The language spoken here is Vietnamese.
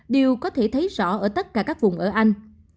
điều có thể thấy rõ ở tất cả các vùng ở anh